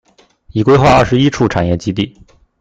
已規劃二十一處產業基地